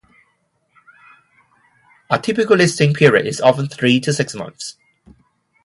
A typical listing period is often three to six months.